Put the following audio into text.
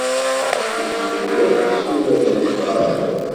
Nettlusu akk isuraden deg uɣerbaz.